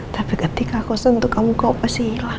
tapi ketika aku sentuh kamu kau masih hilang